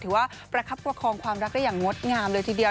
ว่าประคับประคองความรักได้อย่างงดงามเลยทีเดียว